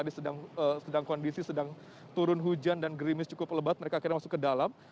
mereka sudah masuk ke dalam meskipun tadi sedang kondisi sedang turun hujan dan grimis cukup lebat mereka akhirnya masuk ke dalam